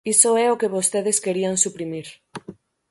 Iso é o que vostedes querían suprimir.